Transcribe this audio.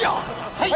はい！